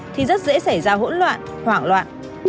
thì rất dễ xảy ra hỗn loạn hoảng loạn